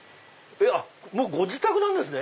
あっもうご自宅なんですね！